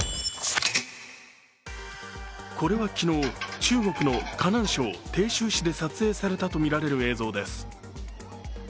これは昨日、中国の河南省鄭州市で撮影されたとみられる映像です。